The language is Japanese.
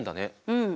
うん。